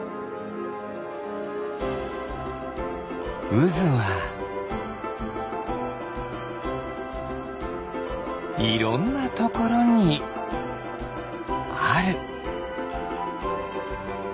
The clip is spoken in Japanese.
うずはいろんなところにある。